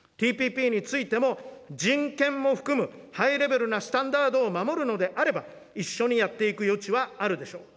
ＴＰＰについても、人権も含む、ハイレベルなスタンダードを守るのであれば、一緒にやっていく余地はあるでしょう。